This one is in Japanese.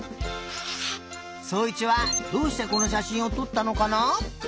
そういちはどうしてこのしゃしんをとったのかな？